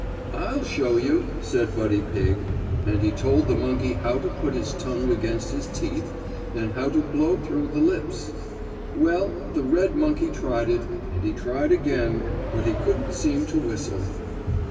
"I'll show you," said Buddy Pigg, and he told the monkey how to put his tongue against his teeth and how to blow through his lips. Well, the red monkey tried it, and he tried again, but he couldn't seem to whistle.